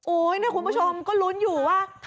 อุ้ยทีนี้มันน่ากลัวเหลือเกินค่ะ